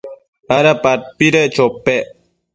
¿ada padpedec chopec?